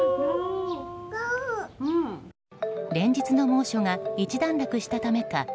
連日の猛暑が一段落したためか